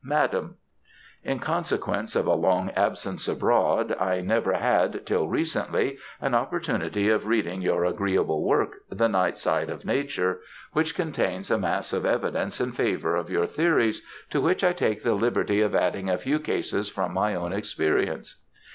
_ MADAM, In consequence of a long absence abroad, I never had, till recently, an opportunity of reading your agreeable work, "The Night side of Nature," which contains a mass of evidence in favour of your theories, to which I take the liberty of adding a few cases from my own experience.